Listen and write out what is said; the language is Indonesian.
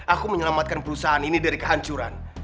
aku menyelamatkan perusahaan ini dari kehancuran